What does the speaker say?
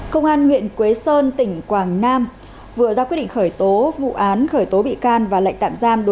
công an huyện quế sơn tỉnh quảng nam vừa ra quyết định khởi tố vụ án khởi tố bị can và lệnh tạm giam